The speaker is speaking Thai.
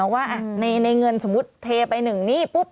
ว่าในเงินสมมุติเทไป๑หนี้ปุ๊บ